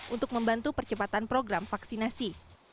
untuk membantu percepatan program vaksinasi